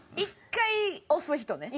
１回押す人ね。